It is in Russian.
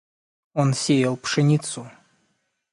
Он сеял пшеницу.